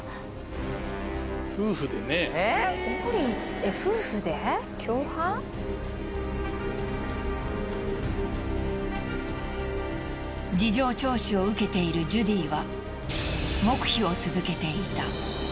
えっ？事情聴取を受けているジュディは黙秘を続けていた。